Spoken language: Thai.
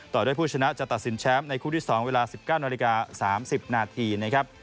ต่อด้วยผู้ชนะจะตัดสินแชมป์ในคู่ที่๒เวลา๑๙นาฬิกา๓๐นาทีนะครับ